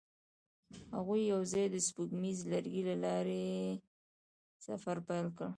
هغوی یوځای د سپوږمیز لرګی له لارې سفر پیل کړ.